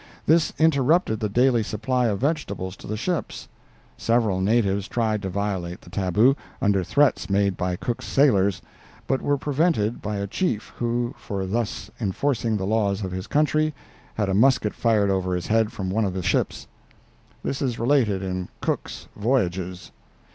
This interrupted the daily supply of vegetables to the ships; several natives tried to violate the tabu, under threats made by Cook's sailors, but were prevented by a chief, who, for thus enforcing the laws of his country, had a musket fired over his head from one of the ships. This is related in "Cook's Voyages."